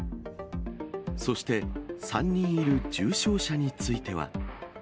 そして３人いる重症者については。